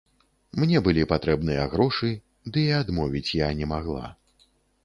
Мне былі патрэбныя грошы, ды і адмовіць я не магла.